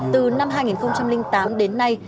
từ năm hai nghìn tám đến nay